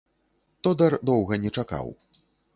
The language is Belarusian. Тодар доўга не чакаў.